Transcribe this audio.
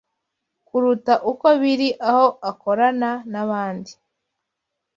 kuruta uko biri aho akorana n’abandi